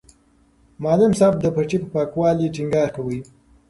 معلم صاحب د پټي په پاکوالي ټینګار کاوه.